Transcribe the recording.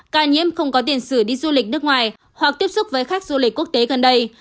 ca nhiễm không có tiền sử đi du lịch nước ngoài hoặc tiếp xúc với khách du lịch quốc tế gần đây